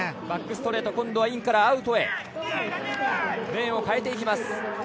バックストレートインからアウトへレーンを変えていきました。